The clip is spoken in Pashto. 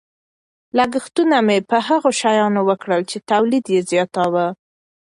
لګښتونه مې په هغو شیانو وکړل چې تولید یې زیاتاوه.